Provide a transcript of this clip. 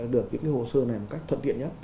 được những hồ sơ này một cách thuận tiện nhất